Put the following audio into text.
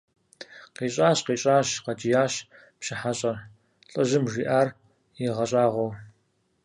КъищӀащ! КъищӀащ! – къэкӀиящ пщы хьэщӀэр, лӀыжьым жиӀар игъэщӀагъуэу.